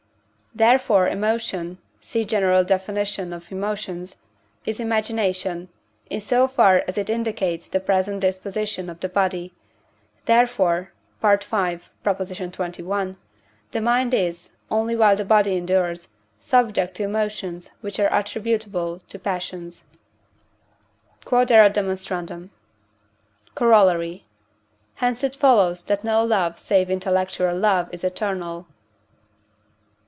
Therefore emotion (see general Def. of Emotions) is imagination, in so far as it indicates the present disposition of the body; therefore (V. xxi.) the mind is, only while the body endures, subject to emotions which are attributable to passions. Q.E.D. Corollary. Hence it follows that no love save intellectual love is eternal.